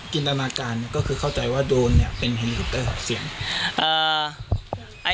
ตนาการก็คือเข้าใจว่าโดรนเนี่ยเป็นเฮลิคอปเตอร์ออกเสียง